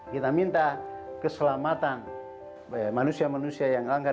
kita minta keselamatan manusia manusia yang langgar